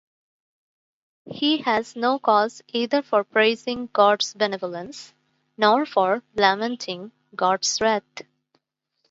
He has no cause either for praising God's benevolence nor for lamenting God's wrath.